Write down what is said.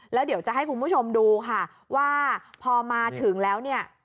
แล้วเดี๋ยวจะให้คุณผู้ชมดูค่ะว่าพอมาถึงแล้วเนี่ย